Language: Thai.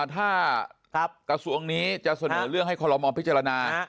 ถ้ากระทรวงนี้จะเสนอเรื่องให้คอลโลมอลพิจารณา